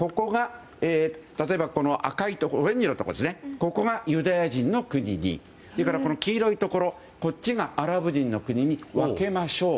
例えば、オレンジ色のところユダヤ人の国にそれから黄色いところアラブ人の国に分けましょう。